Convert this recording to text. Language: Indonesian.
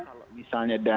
kalau misalnya dananya